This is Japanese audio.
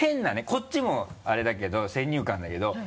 こっちもあれだけど先入観だけど。